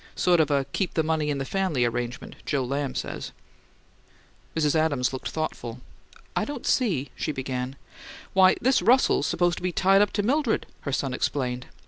Sort of a keep the money in the family arrangement, Joe Lamb says." Mrs. Adams looked thoughtful. "I don't see " she began. "Why, this Russell's supposed to be tied up to Mildred," her son explained.